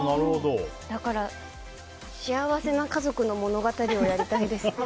だから、幸せな家族の物語をやりたいです。